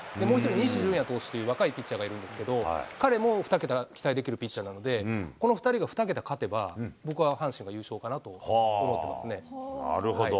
もう１人、西純矢という若いピッチャーがいるんですけど、彼も２桁期待できるピッチャーなので、この２人が２桁勝てば、僕は阪神が優勝かななるほど。